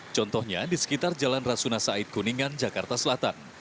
contohnya di sekitar jalan rasuna said kuningan jakarta selatan